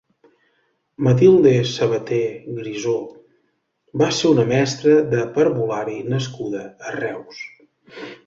Matilde Sabaté Grisó va ser una mestra de parvulari nascuda a Reus.